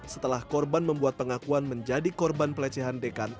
setelah korban membuat pengakuan menjadi korban pelecehan dekan